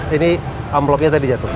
ini envelope nya tadi jatuh